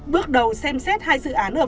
bước đầu xem xét hai dự án ở vĩnh phúc